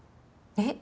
えっ？